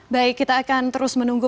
baik kita akan terus menunggu